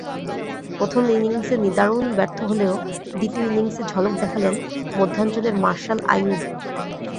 প্রথম ইনিংসে নিদারুণ ব্যর্থ হলেও দ্বিতীয় ইনিংসে ঝলক দেখালেন মধ্যাঞ্চলের মার্শাল আইয়ুব।